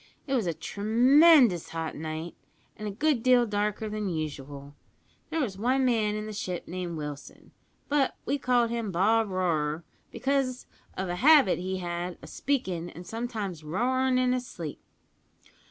It was a tremendous hot night, an' a good deal darker than usual. There was one man in the ship named Wilson; but we called him Bob Roarer, because of a habit he had of speakin' an' sometimes roarin' in his sleep.